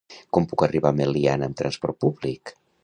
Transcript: Com puc arribar a Meliana amb transport públic?